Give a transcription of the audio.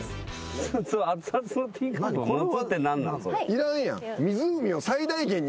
いらんやん。